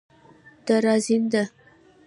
دراځینده